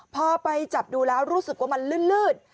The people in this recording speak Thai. พอไปจับดูแล้วรู้สึกว่ามันลื่น